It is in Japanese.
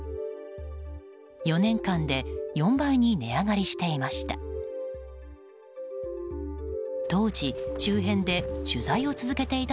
４年間で４倍に値上がりしていました。